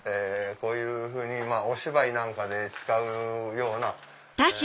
こういうふうにお芝居なんかで使うような。